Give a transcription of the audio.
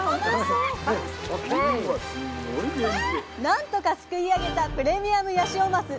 何とかすくい上げたプレミアムヤシオマス！